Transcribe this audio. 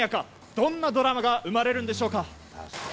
どんなドラマが生まれるんでしょうか。